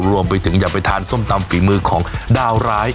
รวมไปถึงอยากไปทานส้มตำฝีมือของดาวร้าย